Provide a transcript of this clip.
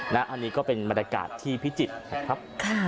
และอันนี้ก็เป็นบรรตรกาตที่พิจิตรครับ